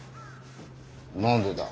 何でだ？